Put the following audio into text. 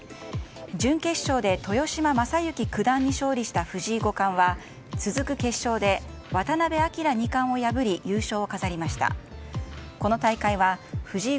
準決勝で豊島将之九段に勝利した藤井五冠は、続く決勝で渡辺明二冠を破り優勝を飾りました。